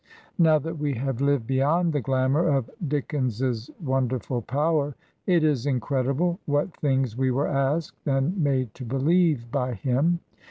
Now that we have lived beyond the glamour of Dick ens's wonderful power, it is incredible what things we were asked and made to believe by him.